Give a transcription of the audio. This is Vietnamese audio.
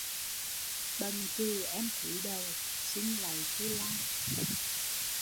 Bận chừ em cúi đẩu xin lạy phu lang